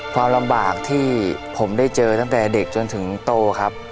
ความลำบากที่ผมได้เจอตั้งแต่เด็กจนถึงโตครับ